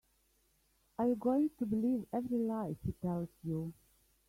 Are you going to believe every lie he tells you?